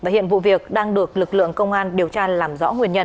hiện vụ việc đang được lực lượng công an điều tra làm rõ nguyên nhân